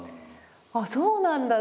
ああそうなんだ！